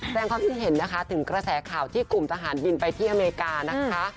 แสดงความคิดเห็นนะคะถึงกระแสข่าวที่กลุ่มทหารบินไปที่อเมริกานะคะ